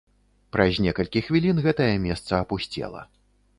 Праз некалькі хвілін гэтае месца апусцела.